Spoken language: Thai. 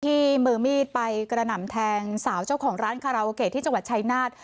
มือมีดไปกระหน่ำแทงสาวเจ้าของร้านคาราโอเกะที่จังหวัดชายนาฏ